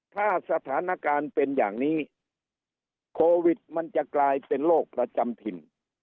ถ้าสถานการณ์เป็นอย่างนี้โควิดมันจะกลายเป็นโรคประจำถิ่น